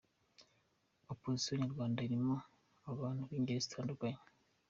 Oposisiyo nyarwanda irimo abantu bingeri zitandukanye.